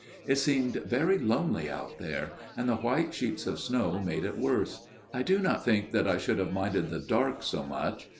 It seemed very lonely out there, and the white sheets of snow made it worse. I do not think that I should have minded the dark so much.